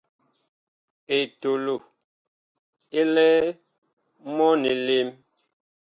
Etolo ɛ lɛ mɔɔn elem.